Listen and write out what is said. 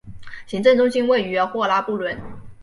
行政中心位于霍拉布伦。